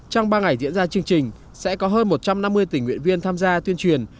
trong ba ngày diễn ra chương trình sẽ có hơn một trăm năm mươi tỉnh nguyện viên tham gia tuyên truyền